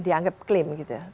dianggap klaim gitu ya